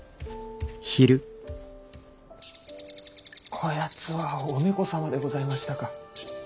こやつは「お猫様」でございましたか。